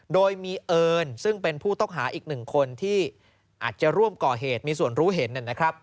โดยมีเอิญซึ่งเป็นผู้ต้องหาอีกหนึ่งคนที่อาจจะร่วมก่อเหตุมีส่วนรู้เห็นนะครับ